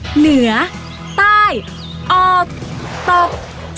เหนือใต้ออกตก